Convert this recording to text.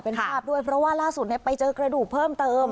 เป็นภาพด้วยเพราะว่าล่าสุดไปเจอกระดูกเพิ่มเติม